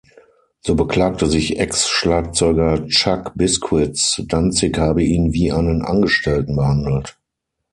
So beklagte sich Ex-Schlagzeuger Chuck Biscuits, Danzig habe ihn wie einen „Angestellten“ behandelt.